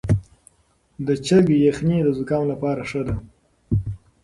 د چرګ یخني د زکام لپاره ښه ده.